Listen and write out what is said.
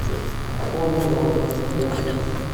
Ur lluẓeɣ aṭas taswiɛt-a.